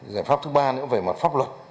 giải pháp thứ ba nữa về mặt pháp luật